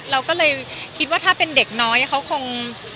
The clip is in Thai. เราก็เลยคิดว่าถ้าเป็นเด็กน้อยเขาคง